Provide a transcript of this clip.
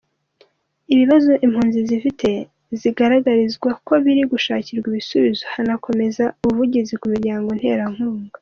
Ibibazo impunzi zifite zigaragarizwa ko biri gushakirwa ibisibizo, hakanakomeza ubuvugizi ku miryango nterankunga.